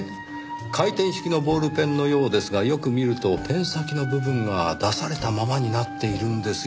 回転式のボールペンのようですがよく見るとペン先の部分が出されたままになっているんですよ。